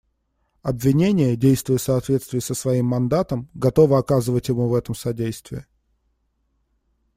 Обвинение, действуя в соответствии со своим мандатом, готово оказывать ему в этом содействие.